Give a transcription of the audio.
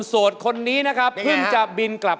สวัสดีครับชื่อต้๋มนะครับ